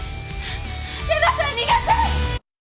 玲奈さん逃げて！